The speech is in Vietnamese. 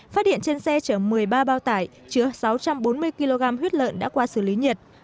phát hiện trên xe chở một mươi ba bao tải chứa sáu trăm bốn mươi kg huyết lợn đã qua xử lý nhiệt